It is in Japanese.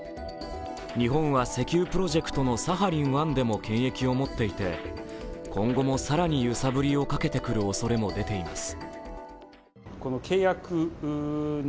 日本は石油プロジェクトのサハリン１でも権益を持っていて今後も更に揺さぶりをかけてくるおそれも出ています。